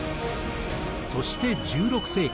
そして１６世紀。